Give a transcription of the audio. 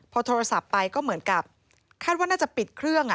พอโทรศัพท์ไปก็เหมือนกับคาดว่าน่าจะปิดเครื่อง